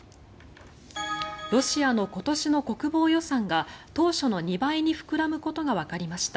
ロシアの今年の国防予算が当初の２倍に膨らむことがわかりました。